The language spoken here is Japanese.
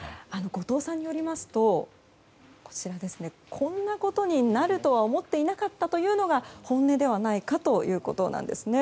後藤さんによりますとこんなことになるとは思っていなかったというのが本音ではないかということなんです。